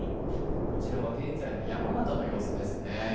こちらは現在の山形の様子ですね。